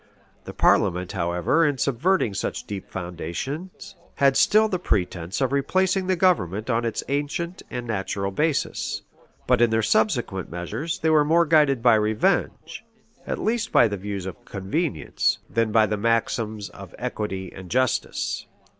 The parliament, however, in subverting such deep foundations, had still the pretence of replacing the government on its ancient and natural basis: but in their subsequent measures, they were more guided by revenge, at least by the views of convenience, than by the maxims of equity and justice.